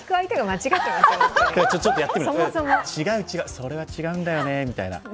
違う違う、それは違うんだよねって。